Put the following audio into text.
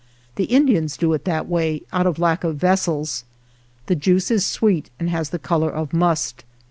The Indians do it in that way, out of lack of vessels. The juice is sweet and has the color of must.